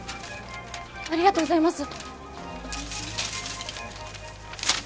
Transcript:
ありがとうございます。